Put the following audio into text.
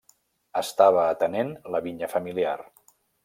Estava atenent la vinya familiar.